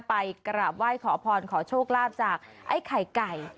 ไปกราบไหว้ขอพรขอโชคลาภจากไอ้ไข่ไก่